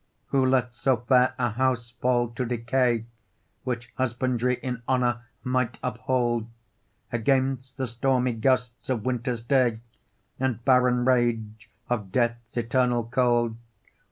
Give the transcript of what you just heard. Who lets so fair a house fall to decay, Which husbandry in honour might uphold, Against the stormy gusts of winter's day And barren rage of death's eternal cold?